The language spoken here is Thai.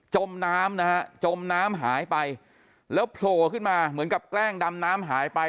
มน้ำนะฮะจมน้ำหายไปแล้วโผล่ขึ้นมาเหมือนกับแกล้งดำน้ำหายไป